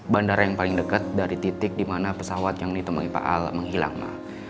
bandara yang paling deket dari titik dimana pesawat yang ditemui pak al menghilang mbak